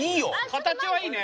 形はいいね。